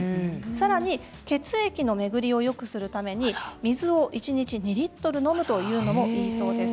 更に血液の巡りをよくするために水を１日２リットル飲むというのもいいそうです。